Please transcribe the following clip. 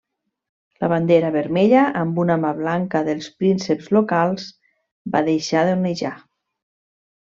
La bandera vermella amb una mà blanca dels prínceps locals va deixar d'onejar.